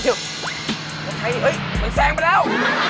ต้องบอกว่าพี่จะมาเข้าตรงนี้ทำไม